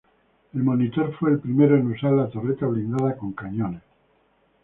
El "Monitor" fue el primero en usar la torreta blindada con cañones.